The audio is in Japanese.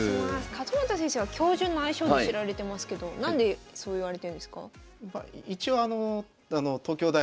勝又先生は教授の愛称で知られてますけど何でそう言われてんですか？